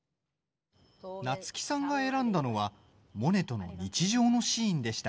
夏木さんが選んだのはモネとの日常のシーンでした。